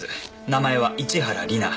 名前は市原里奈。